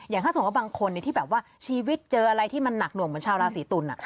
ถ้าสมมุติบางคนที่แบบว่าชีวิตเจออะไรที่มันหนักหน่วงเหมือนชาวราศีตุล